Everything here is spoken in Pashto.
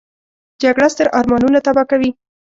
جګړه ستر ارمانونه تباه کوي